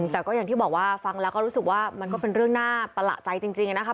แต่ก็อย่างที่บอกว่าฟังแล้วก็รู้สึกว่ามันก็เป็นเรื่องน่าประหลาดใจจริงนะครับ